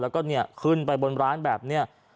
แล้วก็ขึ้นไปบนร้านแบบนี้